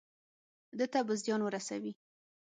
ده ته به زیان ورسوي.